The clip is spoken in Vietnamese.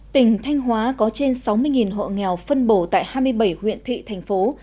tỉnh thanh hóa có trên sáu mươi hộ nghèo phân bổ tại hai mươi bảy huyện thị thành phố